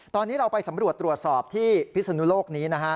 ตอนนี้เราไปสำรวจตรวจสอบที่พิศนุโลกนี้นะฮะ